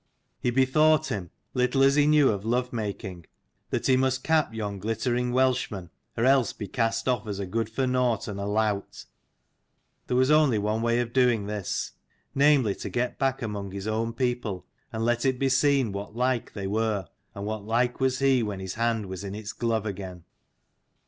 He bethought him, little as he knew of love making, that he must cap yon glittering Welshman, or else be cast off as a good for nought and a lout. There was only one way of doing this: namely to get back among his own people, and let it be seen what like they were, and what like was he when his hand was in its glove again.